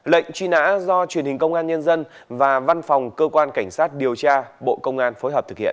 lệnh truy nã do truyền hình công an nhân dân và văn phòng cơ quan cảnh sát điều tra bộ công an phối hợp thực hiện